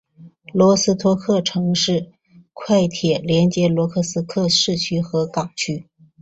罗斯托克城市快铁连接罗斯托克市区和港区。